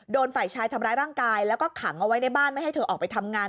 ฝ่ายชายทำร้ายร่างกายแล้วก็ขังเอาไว้ในบ้านไม่ให้เธอออกไปทำงาน